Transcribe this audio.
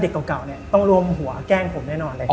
แล้วก็เด็กเก่าต้องรวมหัวแกล้งผมแน่นอนเลย